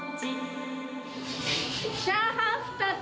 チャーハン２つ。